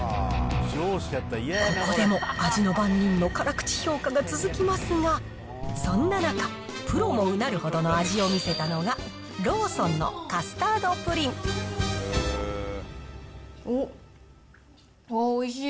ここでも味の番人の辛口評価が続きますが、そんな中、プロもうなるほどの味を見せたのが、おっ、おいしい。